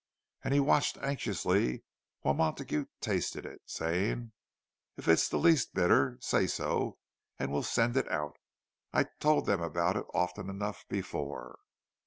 —And he watched anxiously while Montague tasted it, saying, "If it's the least bit bitter, say so; and we'll send it out. I've told them about it often enough before."